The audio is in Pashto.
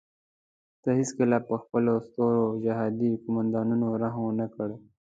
تا هیڅکله پر خپلو سترو جهادي قوماندانانو رحم ونه کړ.